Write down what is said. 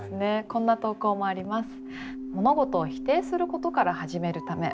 こんな投稿もあります。